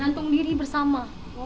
gantung diri bersama